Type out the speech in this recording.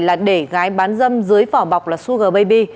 là để gái bán dâm dưới phỏ bọc sugar baby